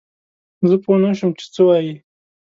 زه پوه نه شوم چې څه وايي؟